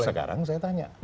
nah sekarang saya tanya